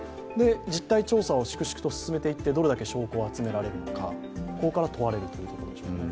実態調査を粛々と進めていって証拠を集められるのかここが問われるということですね。